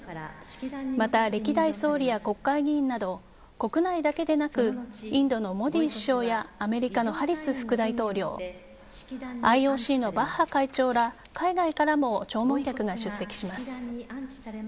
また、歴代総理や国会議員など国内だけでなくインドのモディ首相やアメリカのハリス副大統領ＩＯＣのバッハ会長ら海外からも弔問客が出席します。